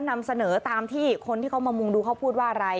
นำเสนอตามที่คนที่เขามามุงดูเขาพูดว่าอะไร